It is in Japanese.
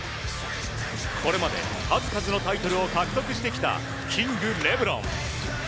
これまで数々のタイトルを獲得してきたキング、レブロン。